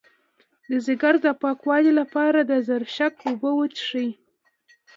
د ځیګر د پاکوالي لپاره د زرشک اوبه وڅښئ